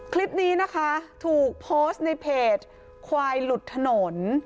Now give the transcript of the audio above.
คลิปนี้นะคะถูกโพสต์ในเพจควายหลุดถนน